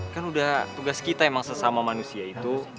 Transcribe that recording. kan udah tugas kita emang sesama manusia itu